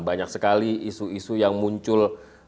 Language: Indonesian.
banyak sekali isu isu yang muncul